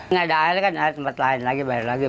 nggak ada air kan ada tempat lain lagi bayar lagi